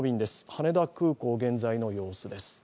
羽田空港、現在の様子です。